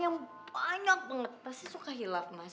yang banyak banget pasti suka hilaf mas